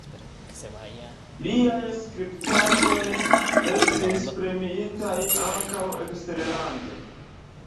Liaj skulptaĵoj estis premiitaj ankaŭ eksterlande.